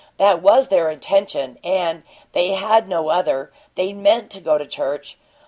That was their intention, and they had no other. They meant to go to church.